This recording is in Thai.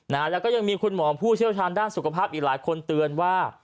นะฮะแล้วก็ยังมีคุณหมอผู้เชี่ยวชาญด้านสุขภาพอีกหลายคนเตือนว่า